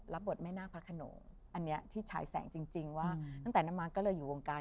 บทแม่นาคพระขนงอันนี้ที่ฉายแสงจริงว่าตั้งแต่น้ำมาก็เลยอยู่วงการ